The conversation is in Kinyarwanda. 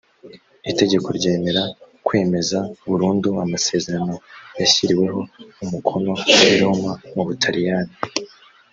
itegeko ryemera kwemeza burundu amasezerano yashyiriweho umukono i roma mu butariyani